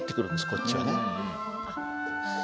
こっちはね。